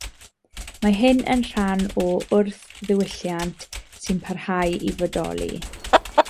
Mae hyn yn rhan o wrth-ddiwylliant sy'n parhau i fodoli.